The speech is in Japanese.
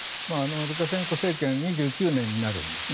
ルカシェンコ政権２９年になるんですね。